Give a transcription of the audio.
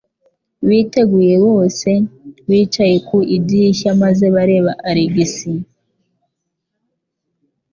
Biteguye byose, bicaye ku idirishya maze bareba Alex.